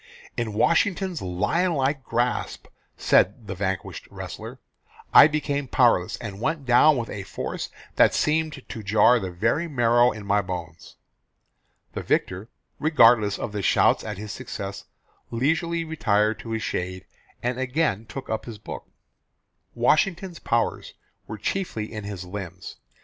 "In Washington's lion like grasp," said the vanquished wrestler, "I became powerless, and went down with a force that seemed to jar the very marrow in my bones." The victor, regardless of shouts at his success, leisurely retired to his shade, and again took up his book. Washington's powers were chiefly in his limbs.